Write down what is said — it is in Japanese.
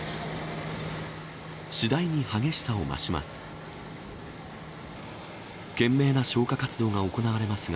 次第に激しさを増します。